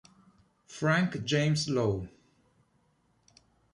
Frank James Low